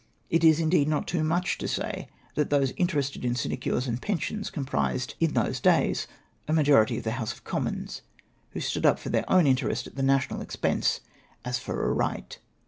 It is, indeed, not too much to say, that those interested in sinecures and pensions comprised in those days a SHAMEFUL TEEATMENT OP AN OFFICER. 267 majority of tlie House of Commons, who stood up for their own interest at the national expense as for a right.